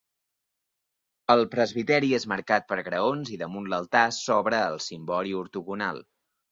El presbiteri és marcat per graons i damunt l'altar s'obre el cimbori ortogonal.